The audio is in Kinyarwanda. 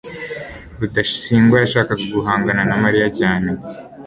rudasingwa yashakaga guhangana na mariya cyane